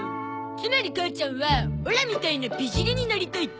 つまり母ちゃんはオラみたいな美尻になりたいと。